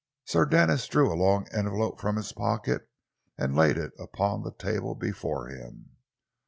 Sir Denis drew a long envelope from his pocket and laid it upon the table before him.